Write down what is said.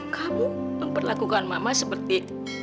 kamu memperlakukan mama seperti